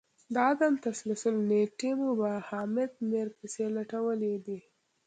د عدم تسلسل نیټې مو په حامد میر پسي لټولې دي